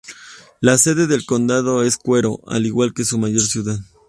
La sede del condado es Cuero, al igual que su mayor ciudad.